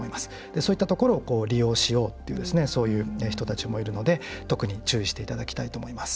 そういったところを利用しようっていうそういう人たちもいるので、特に注意していただきたいと思います。